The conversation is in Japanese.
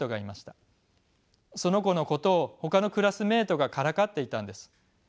その子のことをほかのクラスメートがからかっていたんです。